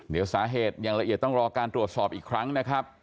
เดี๋ยวสาเหตุอย่างละเอียดต้องรอการตรวจสอบอีกครั้งนะครับ